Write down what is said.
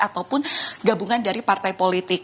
ataupun gabungan dari partai politik